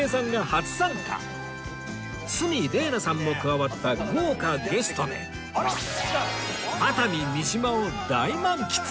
鷲見玲奈さんも加わった豪華ゲストで熱海三島を大満喫